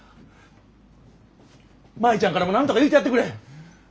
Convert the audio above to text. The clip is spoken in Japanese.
舞ちゃんからも何とか言うてやってくれ！